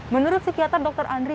menurut psikiater dr andri